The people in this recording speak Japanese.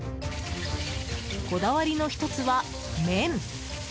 こだわりの１つは麺。